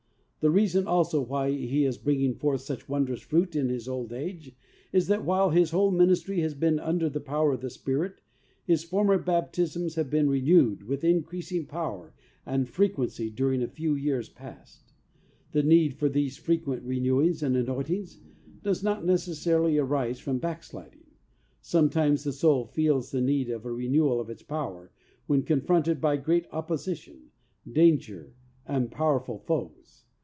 The reason also why he is bringing forth such wondrous fruit in his old age is that while his whole ministry has been under the power of the Spirit, his former baptisms 84 THE soul winner's SEC31ET. have been renewed with increasing power and frequency during a few years past." The need for these frequent renewings and anointings does not necessarily arise from backsliding. Sometimes the soul feels the need of a renewal of its power when confronted by great opposition, danger and powerful foes.